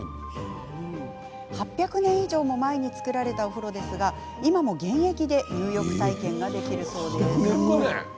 ８００年以上も前に造られたお風呂ですが、今も現役で入浴体験ができるそうです。